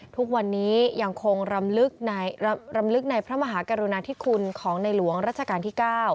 ทุกวันนี้ยังคงรำลึกในพระมหากรุณาธิคุณของในหลวงรัชกาลที่๙